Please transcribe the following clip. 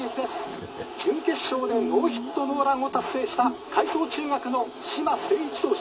準決勝でノーヒットノーランを達成した海草中学の嶋清一投手。